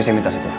kenapa ini bellsny